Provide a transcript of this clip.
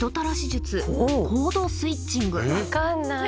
分かんない！